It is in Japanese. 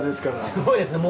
すごいですよね。